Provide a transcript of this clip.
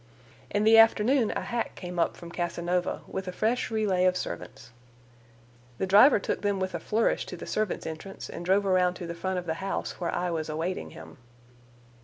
In the afternoon a hack came up from Casanova, with a fresh relay of servants. The driver took them with a flourish to the servants' entrance, and drove around to the front of the house, where I was awaiting him.